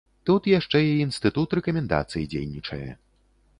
Тут яшчэ і інстытут рэкамендацый дзейнічае.